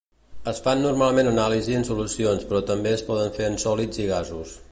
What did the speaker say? Es fan normalment anàlisi en solucions però també es poden fer en sòlids i gasos.